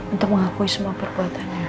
untuk mengakui semua perbuatannya